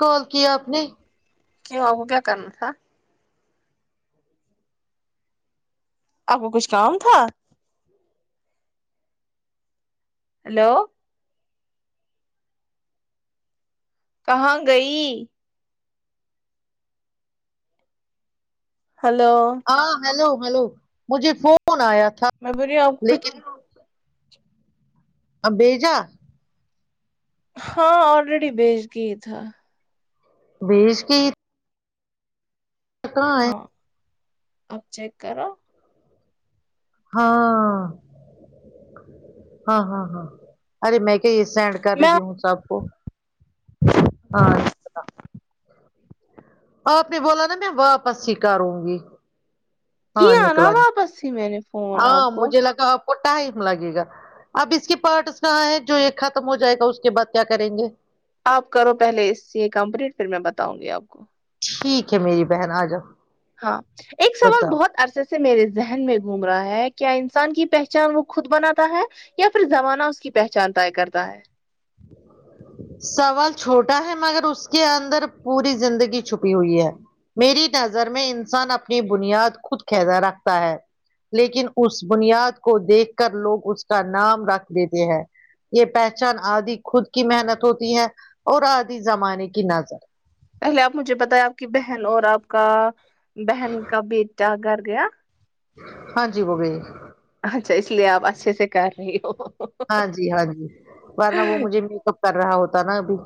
کال کیا آپ نے کیوں کیا کرنا ہے آپ کو کچھ کام تھا ہیلو کہاں گئی ہلو ہاں ہیلو ہلو مجھے فون آیا تھا میں بولرہی ہوں آپ کچھ لیکن اب بیھجا ہاں آلریڈی بیچ دیے تھا بھیج کر ہے ہاں اب چیک کرو ہاں ہاں ہاں ہاں ارے میں کہ سینڈ کر میں رہی ہوں سب کو ہاں نکلا، آپ نے بولا نا میں واپس ہی کروں گی ہاں کیا نا نکلا واپس ہی میں نے فون ہاں آپ کو مجھے لگا وہ ٹائم لگے گا اب اس کے پارٹس کہاں ہے جو یہ ختم ہو جائے گا اس کے بعد کیا کریں گے آپ کرو پہلے اس سے یہ کمپلیٹ پھر میں بتاؤں گی آپ کو ٹھیک ہے میری بہن آ جاؤ ہاں ایک سوال بتاؤ بہت عرصہ سے سے میرے ذہن میں گھوم رہا ہے کیا انسان کی پہچان وہ خود بناتا ہے یا پھر زمانہ اس کی پہچان طے کرتا ہے سوال چھوٹا ہے مگر اس کے اندر پوری زندگی چھپی ہوئی ہے میری نظر میں انسان اپنی بنیاد خود کیدا رکھتا ہے لیکن اس بنیاد کو دیکھ کر لوگ اس کا نام رکھ دیتے ہیں یہ پہچان آدھی خود کی محنت ہوتی ہے اور آدھی زمانے کی نظر پہلے آپ مجھے بتایا آپ کی بہن اور آپ کا بہن کا بیٹا گھر گیا ہاں جی وہو گے اچھا اس لیے آپ اچھے سے کر رہی ہو ہاں جی ہاں جی ورنہ وہ مجھے میک اپ کر رہا ہوتا نا ابھی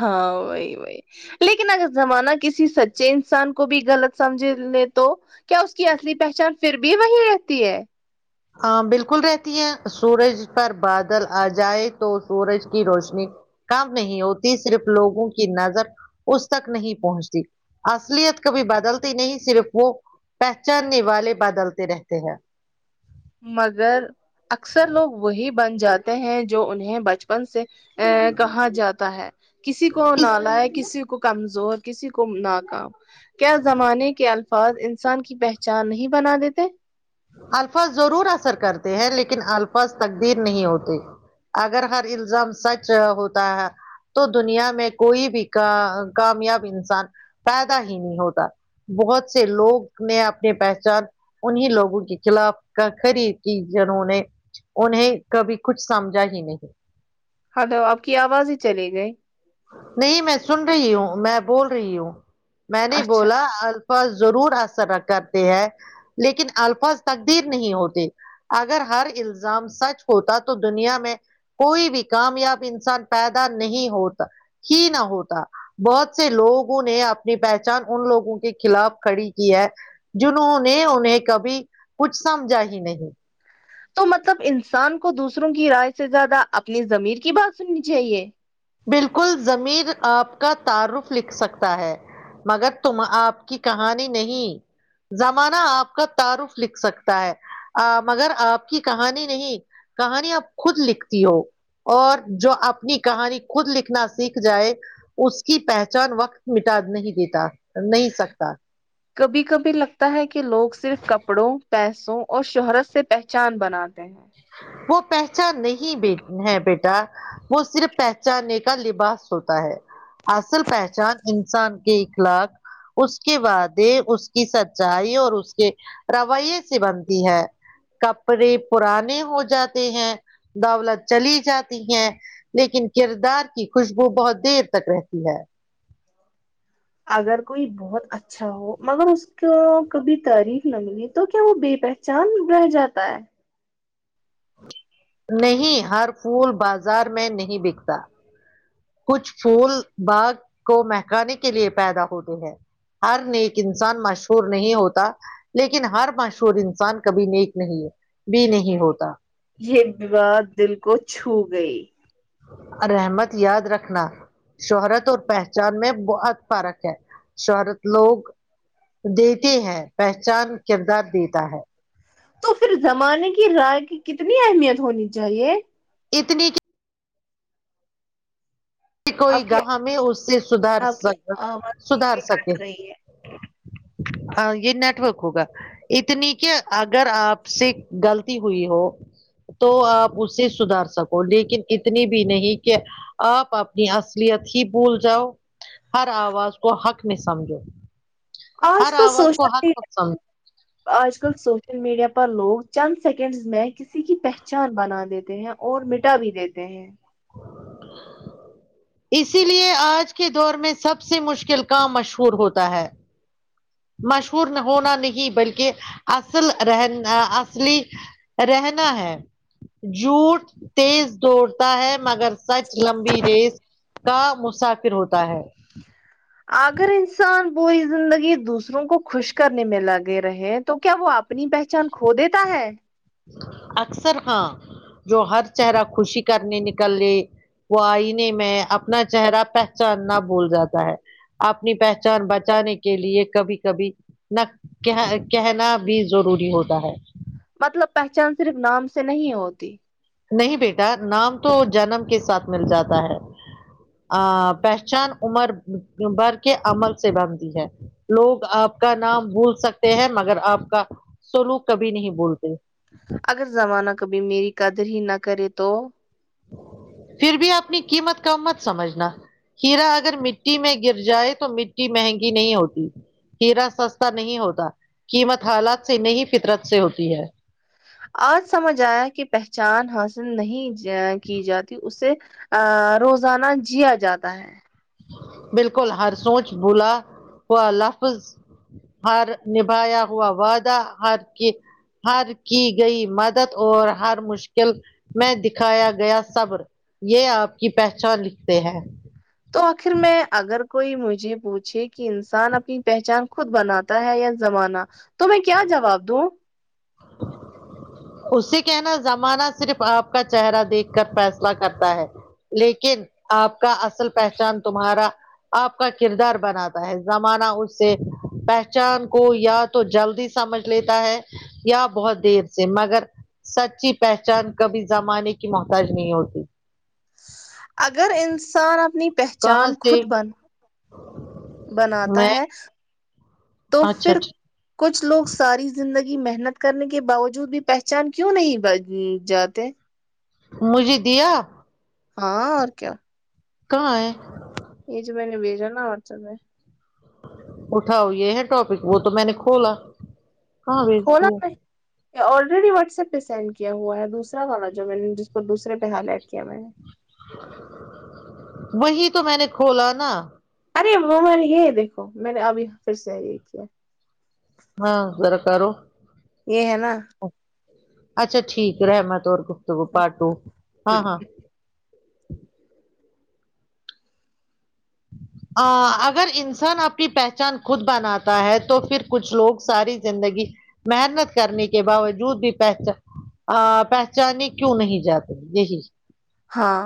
ہاں وہی وہی لیکن اگر زمانہ کسی سچے انسان کو بھی غلط سمجھ لے تو کیا اس کی اصلی پہچان پھر بھی وہی رہتی ہے ہاں بالکل رہتی ہے سورج پر بادل آ جائے تو سورج کی روشنی کم نہیں ہوتی صرف لوگوں کی نظر اس تک نہیں پہنچتی اصلیت کبھی بدلتی نہیں صرف وہ پہچاننے والے بدلتے رہتے ہیں مگر اکثر لوگ وہی بن جاتے ہیں جو انہیں بچپن سے ا کہاں جاتا ہے کسی کو اس نالا ہے کسی کو کمزور کسی کو نہ کام کیا زمانے کے الفاظ انسان کی پہچان نہیں بنا دیتے الفاظ ضرور اثر کرتے ہیں لیکن الفاظ تقدیر نہیں ہوتے اگر ہر الزام سچ ہوتا ہے تو دنیا میں کوئی بھی کا کامیاب انسان پیدا ہی نہیں ہوتا بہت سے لوگ نے اپنی پہچان انیں لوگوں کو کے خلاف کا خری کی جنہوں نے انہیں کبھی کچھ سمجھا ہی نہیں ہلو آپ کی آواز ہی چلی گئی نہیں میں سن رہی ہوں میں بول رہی ہوں میں نے اچھا بولا الفاظ ضرور اثر کرتے ہیں لیکن الفاظ تقدیر نہیں ہوتے اگر ہر الزام سچ ہوتا تو دنیا میں کوئی بھی کامیاب انسان پیدا نہیں ہوتا ہی نہ ہوتا بہت سے لوگوں نے اپنی پہچان ان لوگوں کے خلاف کھڑی کی ہے جنہوں نے انہیں کبھی کچھ سمجھا ہی نہیں تو مطلب انسان کو دوسروں کی رائے سے زیادہ اپنی زمیر کی بات سننی چاہیے بالکل ضمیر آپ کا تعارف لکھ سکتا ہے مگر تم آپ کی کہانی نہیں زمانہ آپ کا تعارف لکھ سکتا ہے مگر آپ کی کہانی نہیں کہانی آپ خود لکھتی ہو اور جو اپنی کہانی خود لکھنا سیکھ جائے اس کی پہچان وقت مٹا نہیں دیتا نہیں سکتا کبھی کبھی لگتا ہے کہ لوگ صرف کپڑوں پیسوں اور شہرت سے پہچان بناتے ہیں وہ پہچان نہیں ہے بیٹا وہ صرف پہچانے کا لباس ہوتا ہے اصل پہچان انسان کے اخلاق اس کے وعدے اس کی سچائی اور اس کے رویے سے بنتی ہے کپڑے پرانے ہو جاتے ہیں دولت چلی جاتی ہے لیکن کردار کی خوشبو بہت دیر تک رہتی ہے اگر کوئی بہت اچھا ہو مگر اس کو کبھی تعریف نہ ملیے تو کیا وہ بے بیٹ چاند رہ جاتا ہے نہیں ہر پھول بازار میں نہیں بکتا کچھ پھول باغ کو مہکانے کے لیے پیدا ہوتے ہیں ہر نیک انسان مشہور نہیں ہوتا لیکن ہر مشہور انسان کبھی نیک نہیں ہے بھی نہیں ہوتا یہ ایک بات دل کو چھو گئی رحمت یاد رکھنا شہرت اور پہچان میں بہت فرق ہے شہرت لوگ دیتے ہیں پہچان کردار دیتا ہے تو پھر زمانے کی رائے کی کتنی اہمیت ہونی چاہیے اتنی کہ آپ کوئی کی گاہ ہمیں اس سے سدھار آپ کی سک آواز دھیرے کاٹ رہی ہے ہاں یہ نٹ ورک ہوگا اتنی کہ اگر آپ سے غلطی ہوئی ہو تو آپ اسے سدھار سکو لیکن اتنی بھی نہیں کہ آپ اپنی اصلیت ہی بھول جاؤ ہر آواز کو حق میں سمجھو آج ہر کل آواز کو سوشل ہھ پک سمج آج کل سوشل میڈیا پر لوگ چند سیکنڈز میں کسی کی پہچان بنا دیتے ہیں اور میٹا بھی دیتے ہیں اسی لیے آج کے دور میں سب سے مشکل کام مشہور ہوتا ہے مشہور ہونا نہیں بلکہ اصل رہن اصلی رہنا ہے جھوٹ تیز توڑتا ہے مگر سچ لمبی ریس کا مسافر ہوتا ہے اگر انسان پوری زندگی دوسروں کو خوش کرنے میں لگے رہے تو کیا وہ آپ اپنی پہچان کھو دیتا ہے اکثر ہاں جو ہر چہرہ خوشی کرنے نکل رہے وہ آئنہ میں اپنا چہرہ پہچاننا بھول جاتا ہے اپنی پہچان بچانے کے لیے کبھی کبھی نہ کہ کہنا بھی ضروری ہوتا ہے مطلب پہچان صرف نام سے نہیں ہوتی نہیں بیٹا نام تو جنم کے ساتھ مل جاتا ہے ا پہچان عمر بھر کے عمل سے بنتی ہے لوگ آپ کا نام بھول سکتے ہیں مگر آپ کا سولوگ کبھی نہیں بھولتے اگر زمانہ کبھی میری قدر ہی نہ کرے تو پھر بھی اپنی قیمت کم مت سمجھنا کرا اگر مٹی میں گر جائے تو مٹی مہنگی نہیں ہوتی ہیرا سستا نہیں ہوتا قیمت حالات سے نہیں فطرت سے ہوتی ہے آج سمجھ آیا کہ پہچان حاصل نہیں کی جاتی اسے ا روزانہ جیا جاتا ہے بالکل ہر سوچ بھولا ہوا لفظ ہار نبھایا ہوا وعدہ ہر کی ہر کی گئی مدد اور ہر مشکل میں دکھایا گیا صبر یہ آپ کی پہچان لکھتے ہیں تو آخر میں اگر کوئی مجھے پوچھے کہ انسان اپنی پہچان خود بناتا تا ہے یا زمانہ تو میں کیا جواب دوں اس سے کہنا زمانہ صرف آپ کا چہرہ دیکھ کر فیصلہ کرتا ہے لیکن آپ کا اصل پہچان تمہارا آپ کا کردار بناتا ہے زمانہ اس سے پہچان کو یا تو جلدی سمجھ لیتا ہے یا بہت دیر سے مگر سچی پہچان کبھی زمانے کی محتاج نہیں ہوتی اگر انسان اپنی پہچان کہاں سے خود بن بناتا میں ہے تو اچھا پھر اچھا کچھ لوگ ساری زندگی محنت کرنے کے باوجود بھی پہچان کیوں نہیں بن جاتے مجھے دیا ہاں اور کیا کہاں ہے یہ جو میں نے بھیجا نا واٹس ایپ میں اٹھاؤ یہ ہے ٹاپک وہ تو میں نے کھولا کہاں بھیج کھولا دیا آلریڈی واٹس ایپ پہ سینڈ کیا ہوا ہے دوسرا تھا نا جو میں نے جس کو دوسرے پہ ہالائٹ کیا میں نے وہی تو میں نے کھولا نا ارے وہ والی یہ ہے دیکھو میں نے اب پھر سے یہ کیا ہاں ذرا کرو یہ ہے نا اچھا ٹھیک ہے رحمت اور گفتگو پارٹو ہاں ہوں ہاں اگر انسان آپ کی پہچان خود بناتا ہے تو پھر کچھ لوگ ساری زندگی محنت کرنے کے باوجود بھی پہچان ا پہچانے کیوں نہیں جاتے یہی ہاں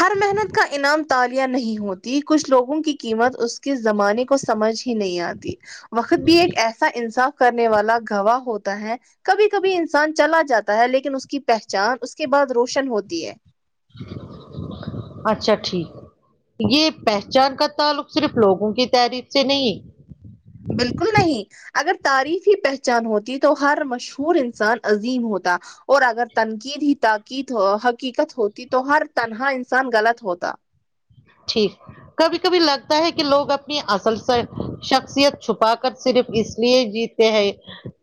ہر محنت کا انعام تالیا نہیں ہوتی کچھ لوگوں کی قیمت اس کے زمانے کو سمجھ ہی نہیں آتی وقت بھی ایک ایسا انصاف کرنے والا گواہ ہوتا ہے کبھی کبھی انسان چلا جاتا ہے لیکن اس کی پہچان اس کے بعد روشن ہوتی ہے اچھا ٹھیک یہ پہچان کا تعلق صرف لوگوں کی تعریف سے نہیں بالکل نہیں اگر تعاریف ہی پہچان ہوتی تو ہر مشہور انسان عظیم ہوتا اور اگر تنقید ہی تقید حقیقت ہوتی تو ہر تنہا انسان غلط ہوتا ٹھیک کبھی کبھی لگتا ہے کہ لوگ اپنی اصل شخصیت چھپا کر صرف اس لیے جیت تے ہے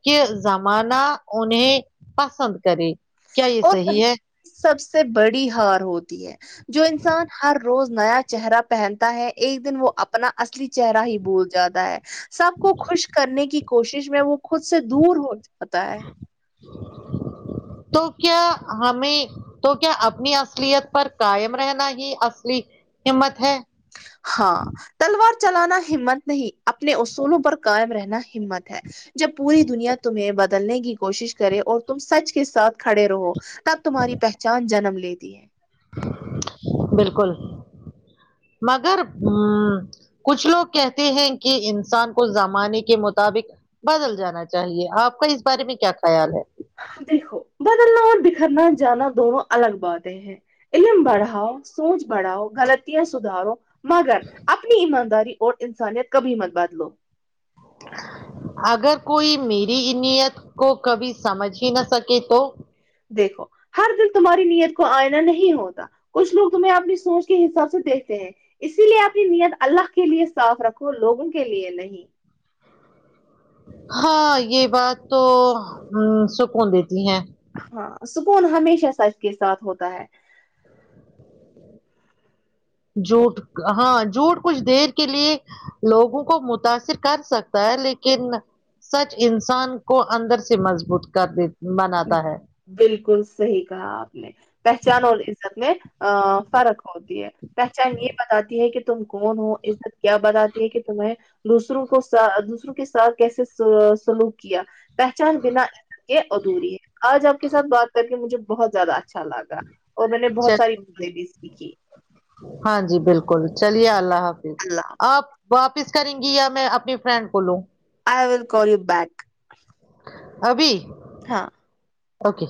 کہ زمانہ انہیں پسند کرے کیا یہ اور وہی صحیح ہے سب سے بڑی ہار ہوتی ہے جو انسان ہر روز نیا چہرہ پہنتا ہے ایک دن وہ اپنا اصلی چہرہ ہی بھول جاتا ہے سب کو خوش کرنے کی کوشش میں وہ خود سے دور ہو جاتا ہے تو کیا ہمیں تو کیا اپنی اصلیت پر قائم رہنا ہی اصلی ہمت ہے ہاں تلوار چلانا ہمت نہیں اپنے اصولوں پر قائم رہنا ہمت ہے جب پوری دنیا تمہیں بدلنے کی کوشش کرے اور تم سچ کے ساتھ کھڑے رہو تب تمہاری پہچان جنم لیتی ہے بالکل مگر ہ کچھ لوگ کہتے ہیں کہ انسان کو زمانے کے مطابق بدل جانا چاہیے آپ کا اس بارے میں کیا خیال ہے دیکھو بدلنا اور بکھرنا جانا دونوں الگ باتیں ہیں علم بڑھاؤ سوچ بڑھاؤ غلطیاں سدھارو مگر اپنی ایمانداری اور انسانیت کبھی ھی مت بدلو اگر کوئی میری نیت کو کبھی سمجھ ہی نہ سکے تو دیکھو ہر دن تمہاری نیت کو آئنا نہیں ہوتا کچھ لوگ تمہیں اپنی سوچ کے حساب سے دیکھتے ہیں اسی لیے اپنی نیت اللہ کے لیے صاف رکھو لوگوں کے لیے نہیں ہاں یہ بات تو سکون دیتی ہے ہاں سکون ہمیشہ سچ کے ساتھ ہوتا ہے جوٹ ہاں جوٹ کچھ دیر کے لیے لوگوں کو متاثر کر سکتا ہے لیکن سچ انسان کو اندر سے مضبوط کر دی بناتا ہے بالکل صحیح کہا آپ نے پہچان اور عزت میں فرق ہو ہوتی ہے پہچان یہ بتاتی ہے کہ تم کون ہو عزت کیا بتاتی ہے کہ تمہیں دوسروں کو ساتھ دوسروں کے ساتھ کیسے سلوک کیا پہچان بنا یہ ادھوری ہے آج آپ کے ساتھ بات کر کے مجھے بہت زیادہ اچھا لگا اور میں نے بہت ساری چلیے باتیں بھی سیکھی ہاں جی بالکل چلیے اللہ حافظ اللہ آپ واپس کریں گی یا میں اپنی فرینڈ کو لوں آئی ول کال یو بیک ابھی ہاں اوکے